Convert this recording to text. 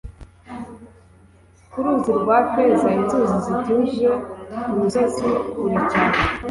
Ku ruzi rwa feza inzuzi zituje Ku misozi kure cyane